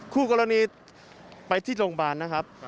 คู่กรณีไปที่โรงพยาบาลนะครับ